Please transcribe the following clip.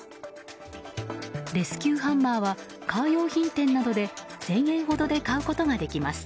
レスキューハンマーはカー用品店などで１０００円ほどで買うことができます。